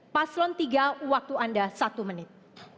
paslon tiga waktu anda satu menit